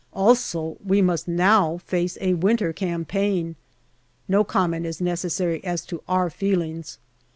Also, we must now face a winter campaign. No comment is necessary as to our feelings.